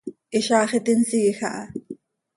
¡Hizaax iti nsiij aha!